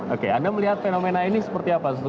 oke anda melihat fenomena ini seperti apa